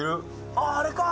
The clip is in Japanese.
あっあれか！